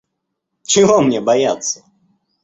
Чего мне бояться?